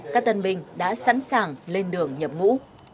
các tân binh đã sẵn sàng lên đường nhập ngũ